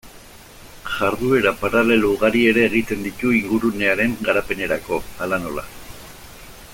Jarduera paralelo ugari ere egiten ditu ingurunearen garapenerako, hala nola.